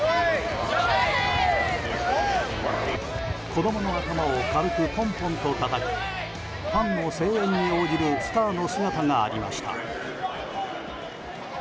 子供の頭を軽くトントンとたたきファンの声援に応じるスターの姿がありました。